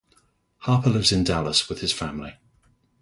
Harper lives in Dallas with his family.